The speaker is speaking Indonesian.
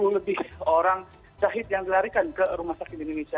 delapan ratus tujuh puluh lebih orang jahit yang dilarikan ke rumah sakit indonesia